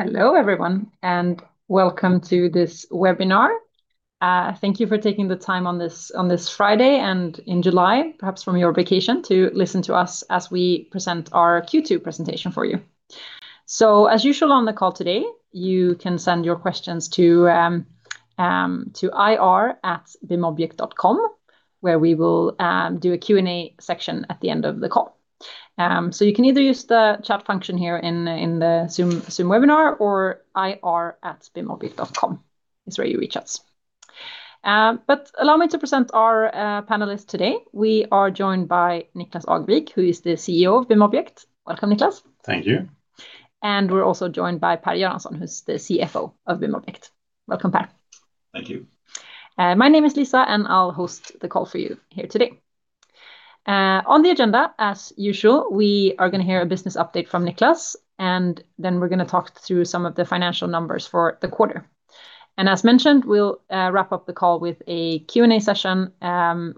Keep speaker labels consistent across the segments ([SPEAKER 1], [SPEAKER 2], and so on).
[SPEAKER 1] Hello, everyone, and welcome to this webinar. Thank you for taking the time on this Friday and in July, perhaps from your vacation, to listen to us as we present our Q2 presentation for you. As usual, on the call today, you can send your questions to ir@bimobject.com, where we will do a Q&A section at the end of the call. You can either use the chat function here in the Zoom webinar, or ir@bimobject.com is where you reach us. Allow me to present our panelists today. We are joined by Niklas Agevik, who is the CEO of BIMobject. Welcome, Niklas.
[SPEAKER 2] Thank you.
[SPEAKER 1] We're also joined by Per Göransson, who's the CFO of BIMobject. Welcome, Per.
[SPEAKER 3] Thank you.
[SPEAKER 1] My name is Lisa, I'll host the call for you here today. On the agenda, as usual, we are going to hear a business update from Niklas. We're going to talk through some of the financial numbers for the quarter. As mentioned, we'll wrap up the call with a Q&A session.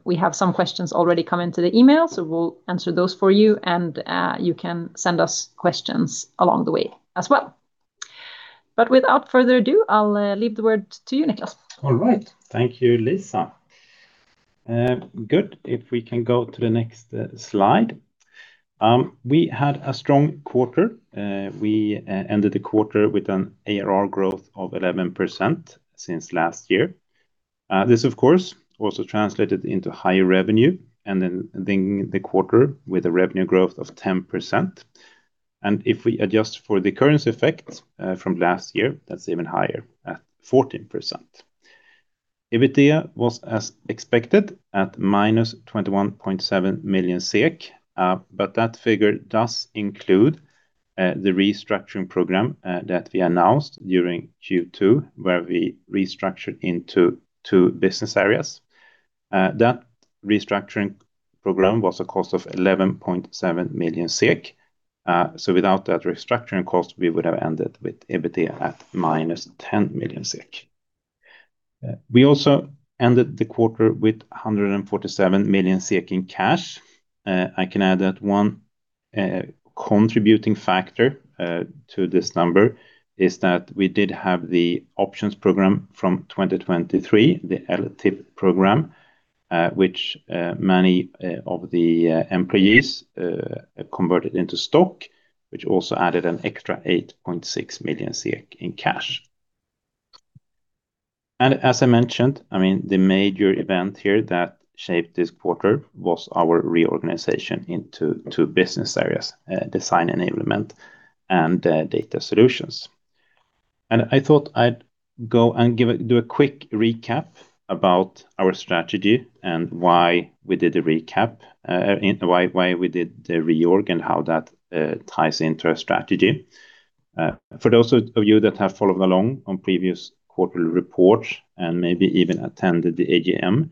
[SPEAKER 1] We have some questions already come into the email, so we'll answer those for you, and you can send us questions along the way as well. Without further ado, I'll leave the word to you, Niklas.
[SPEAKER 2] All right. Thank you, Lisa. Good. If we can go to the next slide. We had a strong quarter. We ended the quarter with an ARR growth of 11% since last year. This, of course, also translated into higher revenue, ending the quarter with a revenue growth of 10%. If we adjust for the currency effect from last year, that's even higher, at 14%. EBITDA was as expected, at -21.7 million SEK. That figure does include the restructuring program that we announced during Q2, where we restructured into two business areas. That restructuring program was a cost of 11.7 million SEK. Without that restructuring cost, we would have ended with EBITDA at -10 million SEK. We also ended the quarter with 147 million SEK in cash. I can add that one contributing factor to this number is that we did have the options program from 2023, the LTIP program, which many of the employees converted into stock, which also added an extra 8.6 million SEK in cash. As I mentioned, the major event here that shaped this quarter was our reorganization into two business areas, Design Enablement and Data Solutions. I thought I'd go and do a quick recap about our strategy and why we did the reorg, and how that ties into our strategy. For those of you that have followed along on previous quarterly reports and maybe even attended the AGM,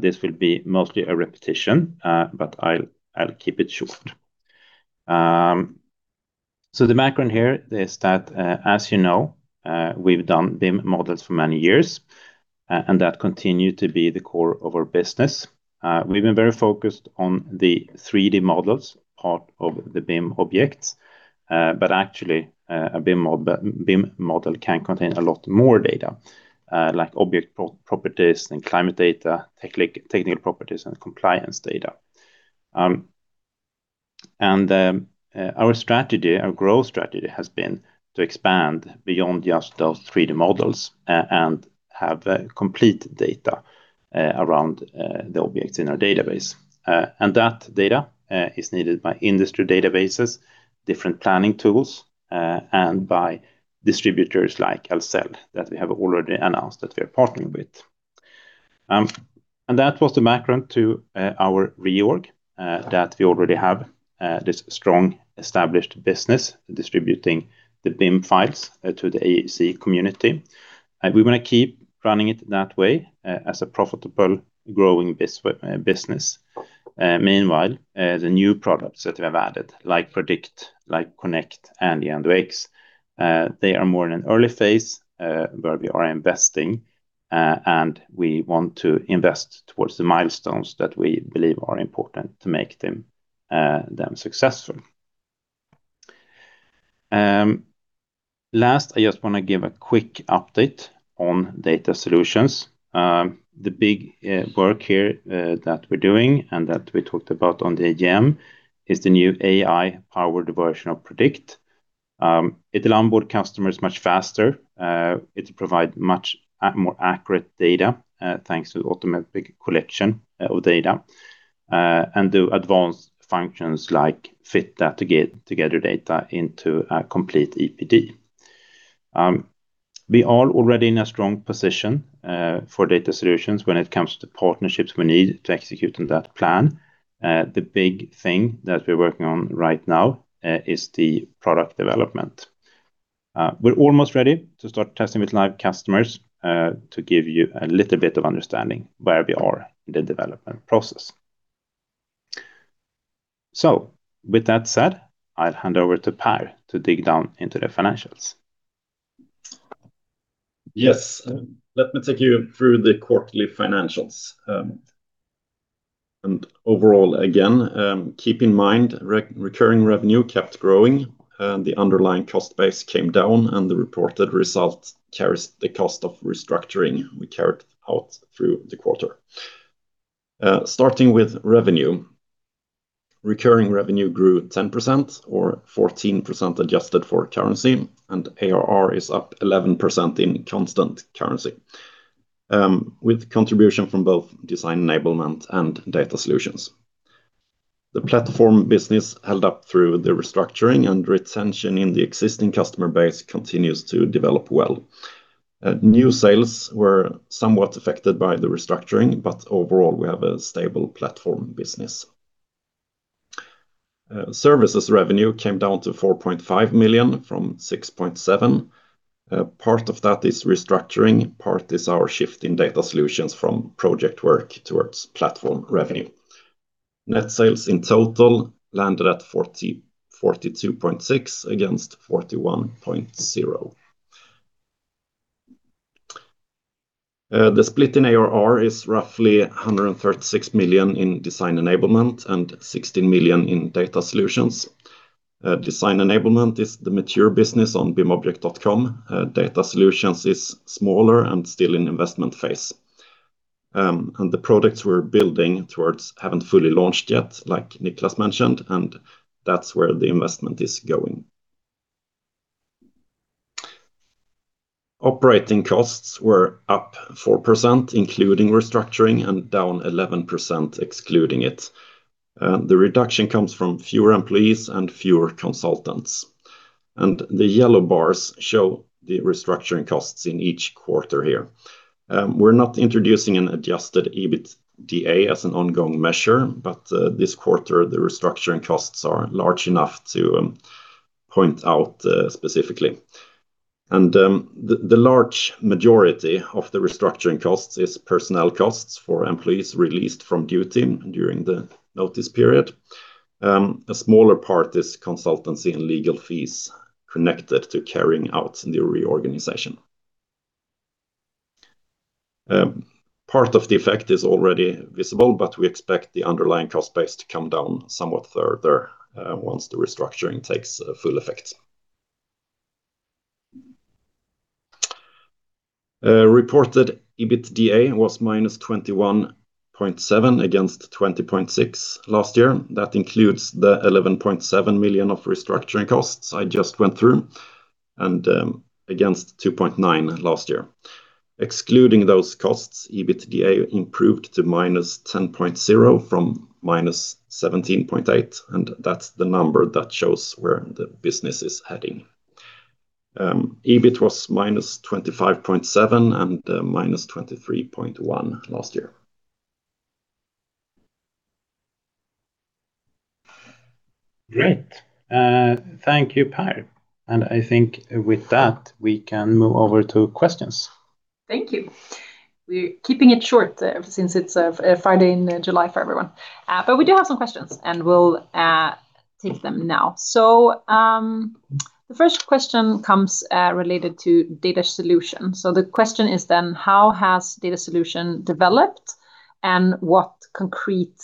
[SPEAKER 2] this will be mostly a repetition, but I'll keep it short. The background here is that, as you know, we've done BIM models for many years, and that continued to be the core of our business. We've been very focused on the 3D models part of the BIM objects. Actually, a BIM model can contain a lot more data, like object properties and climate data, technical properties, and compliance data. Our growth strategy has been to expand beyond just those 3D models and have complete data around the objects in our database. That data is needed by industry databases, different planning tools, and by distributors like Electrolux, that we have already announced that we are partnering with. That was the background to our reorg, that we already have this strong, established business distributing the BIM files to the AEC community. We want to keep running it that way as a profitable, growing business. Meanwhile, the new products that we've added, like Prodikt, like Connect, and the EandoX, they are more in an early phase, where we are investing, and we want to invest towards the milestones that we believe are important to make them successful. Last, I just want to give a quick update on Data Solutions. The big work here that we're doing and that we talked about on the AGM is the new AI-powered version of Prodikt. It'll onboard customers much faster. It'll provide much more accurate data thanks to automatic collection of data and do advanced functions like fit that together data into a complete EPD. We are already in a strong position for Data Solutions when it comes to partnerships we need to execute on that plan. The big thing that we're working on right now is the product development. We're almost ready to start testing with live customers to give you a little bit of understanding where we are in the development process. With that said, I'll hand over to Per to dig down into the financials
[SPEAKER 3] Yes. Let me take you through the quarterly financials. Overall, again, keep in mind, recurring revenue kept growing, and the underlying cost base came down, and the reported result carries the cost of restructuring we carried out through the quarter. Starting with revenue. Recurring revenue grew 10%, or 14% adjusted for currency, and ARR is up 11% in constant currency, with contribution from both Design Enablement and Data Solutions. The platform business held up through the restructuring, and retention in the existing customer base continues to develop well. New sales were somewhat affected by the restructuring, but overall, we have a stable platform business. Services revenue came down to 4.5 million from 6.7 million. Part of that is restructuring, part is our shift in Data Solutions from project work towards platform revenue. Net sales in total landed at 42.6 million against 41.0 million. The split in ARR is roughly 136 million in Design Enablement and 16 million in Data Solutions. Design Enablement is the mature business on bimobject.com. Data Solutions is smaller and still in investment phase. The products we're building towards haven't fully launched yet, like Niklas mentioned, and that's where the investment is going. Operating costs were up 4%, including restructuring, and down 11% excluding it. The reduction comes from fewer employees and fewer consultants. The yellow bars show the restructuring costs in each quarter here. We're not introducing an adjusted EBITDA as an ongoing measure, but this quarter, the restructuring costs are large enough to point out specifically. The large majority of the restructuring costs is personnel costs for employees released from duty during the notice period. A smaller part is consultancy and legal fees connected to carrying out the reorganization. Part of the effect is already visible, but we expect the underlying cost base to come down somewhat further once the restructuring takes full effect. Reported EBITDA was -21.7 million against 20.6 million last year. That includes the 11.7 million of restructuring cost I just went through, and against 2.9 million last year. Excluding those costs, EBITDA improved to -10.0 million from -17.8 million, and that's the number that shows where the business is heading. EBIT was -25.7 million and -23.1 million last year.
[SPEAKER 2] Great. Thank you, Per. I think with that, we can move over to questions.
[SPEAKER 1] Thank you. We're keeping it short since it's a Friday in July for everyone. We do have some questions, and we'll take them now. The first question comes related to Data Solutions. The question is, how has Data Solutions developed, and what concrete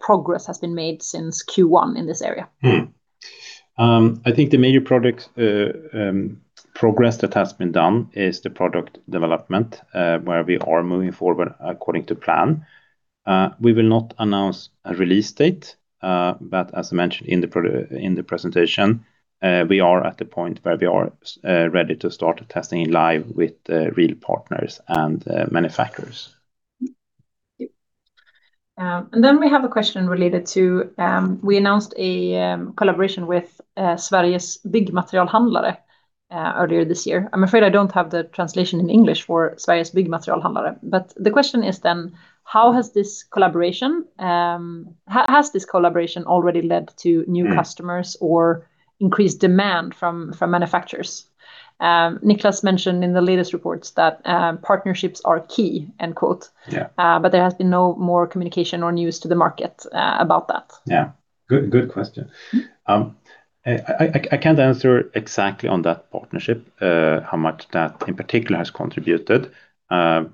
[SPEAKER 1] progress has been made since Q1 in this area?
[SPEAKER 2] I think the major progress that has been done is the product development, where we are moving forward according to plan. We will not announce a release date, but as mentioned in the presentation, we are at the point where we are ready to start testing live with real partners and manufacturers.
[SPEAKER 1] We have a question related to, we announced a collaboration with Sveriges Byggmaterialhandlarna earlier this year. I'm afraid I don't have the translation in English for Sveriges Byggmaterialhandlarna. The question is, has this collaboration already led to new customers or increased demand from manufacturers? Niklas mentioned in the latest reports that "partnerships are key," end quote.
[SPEAKER 2] Yeah.
[SPEAKER 1] There has been no more communication or news to the market about that.
[SPEAKER 2] Yeah. Good question. I can't answer exactly on that partnership, how much that in particular has contributed. As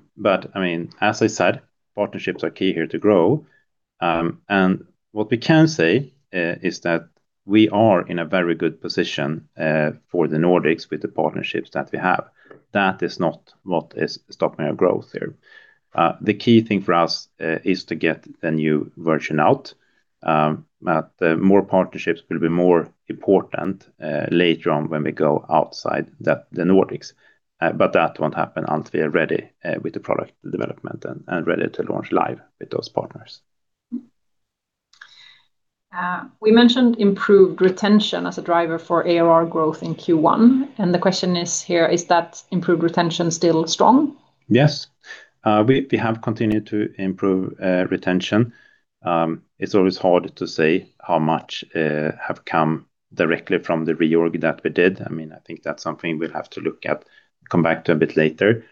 [SPEAKER 2] I said, partnerships are key here to grow. What we can say is that we are in a very good position for the Nordics with the partnerships that we have. That is not what is stopping our growth here. The key thing for us is to get the new version out. More partnerships will be more important later on when we go outside the Nordics. That won't happen until we are ready with the product development and ready to launch live with those partners.
[SPEAKER 1] We mentioned improved retention as a driver for ARR growth in Q1. The question is here, is that improved retention still strong?
[SPEAKER 2] Yes. We have continued to improve retention. It's always hard to say how much have come directly from the reorg that we did. I think that's something we'll have to look at, come back to a bit later.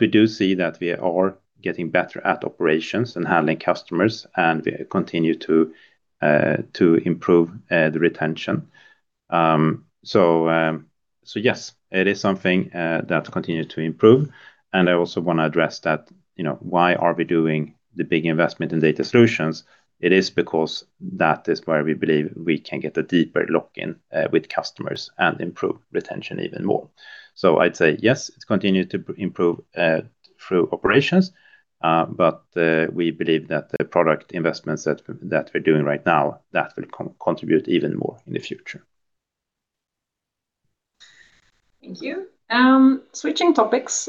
[SPEAKER 2] We do see that we are getting better at operations and handling customers, and we continue to improve the retention. Yes, it is something that continues to improve. I also want to address that, why are we doing the big investment in Data Solutions? It is because that is where we believe we can get a deeper lock-in with customers and improve retention even more. I'd say yes, it's continued to improve through operations. We believe that the product investments that we're doing right now, that will contribute even more in the future.
[SPEAKER 1] Thank you. Switching topics.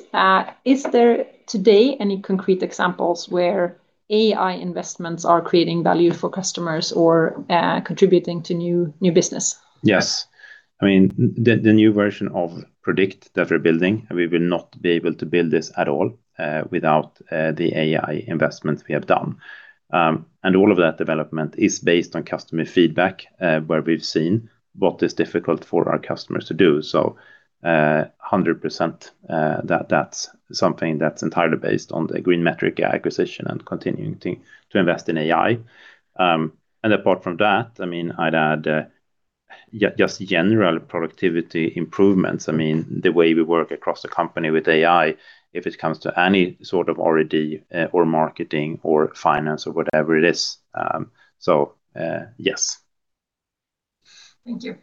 [SPEAKER 1] Is there today any concrete examples where AI investments are creating value for customers or contributing to new business?
[SPEAKER 2] Yes. The new version of Prodikt that we're building, we will not be able to build this at all without the AI investments we have done. All of that development is based on customer feedback, where we've seen what is difficult for our customers to do. 100% that's something that's entirely based on the GreenMetrica acquisition and continuing to invest in AI. Apart from that, I'd add just general productivity improvements. The way we work across the company with AI, if it comes to any sort of R&D or marketing or finance or whatever it is. Yes.
[SPEAKER 1] Thank you.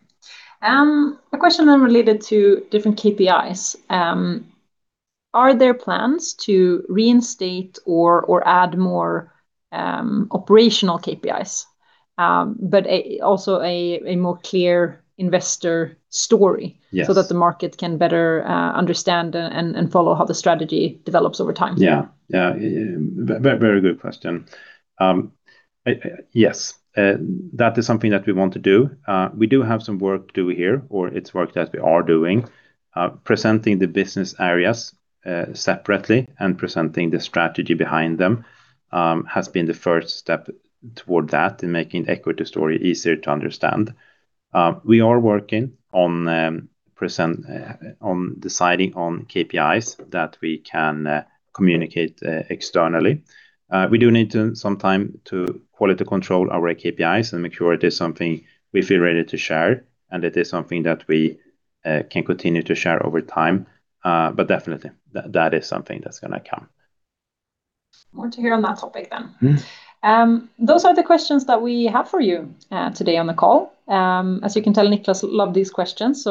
[SPEAKER 1] A question related to different KPIs. Are there plans to reinstate or add more operational KPIs? Also a more clear investor story-
[SPEAKER 2] Yes
[SPEAKER 1] That the market can better understand and follow how the strategy develops over time.
[SPEAKER 2] Very good question. Yes, that is something that we want to do. We do have some work to do here, or it's work that we are doing. Presenting the business areas separately and presenting the strategy behind them, has been the first step toward that in making the equity story easier to understand. We are working on deciding on KPIs that we can communicate externally. We do need some time to quality control our KPIs and make sure it is something we feel ready to share, and it is something that we can continue to share over time. Definitely, that is something that's going to come.
[SPEAKER 1] More to hear on that topic. Those are the questions that we have for you today on the call. As you can tell, Niklas loved these questions,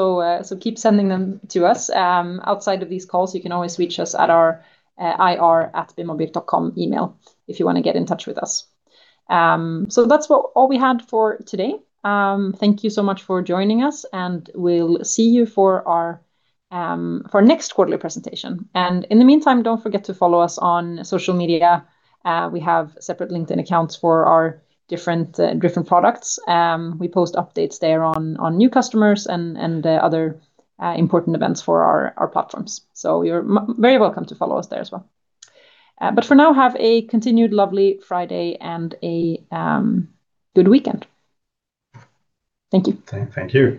[SPEAKER 1] keep sending them to us. Outside of these calls, you can always reach us at our ir@bimobject.com email if you want to get in touch with us. That's all we had for today. Thank you so much for joining us, we'll see you for our next quarterly presentation. In the meantime, don't forget to follow us on social media. We have separate LinkedIn accounts for our different products. We post updates there on new customers and other important events for our platforms. You're very welcome to follow us there as well. For now, have a continued lovely Friday and a good weekend. Thank you.
[SPEAKER 2] Thank you